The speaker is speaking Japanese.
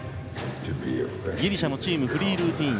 ギリシャのチームフリールーティン。